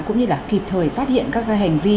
cũng như là kịp thời phát hiện các hành vi